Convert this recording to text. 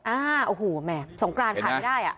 อ่าโอ้โหแหม่สงกรานขายไม่ได้อ่ะ